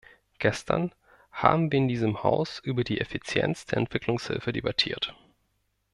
Gestern haben wir in diesem Haus über die Effizienz der Entwicklungshilfe debattiert.